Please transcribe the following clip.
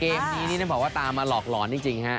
เกมนี้นี่ต้องบอกว่าตามมาหลอกหลอนจริงฮะ